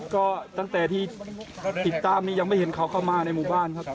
ก็ตั้งแต่ที่ติดตามนี้ยังไม่เห็นเขาเข้ามาในหมู่บ้านครับ